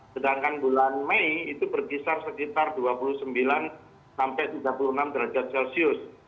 sedangkan bulan mei itu berkisar sekitar dua puluh sembilan sampai tiga puluh enam derajat celcius